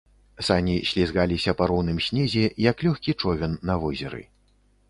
Сані слізгаліся па роўным снезе, як лёгкі човен на возеры.